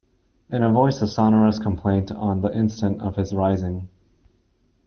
In a voice of sonorous complaint on the instant of his rising.